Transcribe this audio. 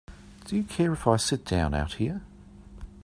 Do you care if I sit down out here?